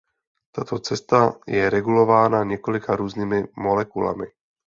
Tato cesta je regulována několika různými molekulami.